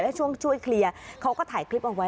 ช่วงช่วยเคลียร์เขาก็ถ่ายคลิปเอาไว้